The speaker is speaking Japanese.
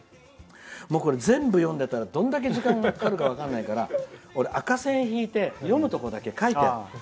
全部読んでいたらどれだけ時間がかかるか分からないから俺、赤線引いて読むところだけ書いてある。